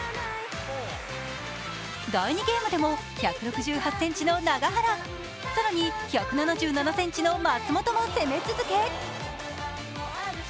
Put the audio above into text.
第２ゲームでも１６８ｃｍの永原、更に１７７ｃｍの松本も攻め続け